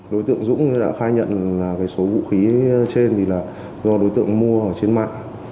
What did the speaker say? đối tượng dũng đã khai nhận số vũ khí trên là do đối tượng mua trên mạng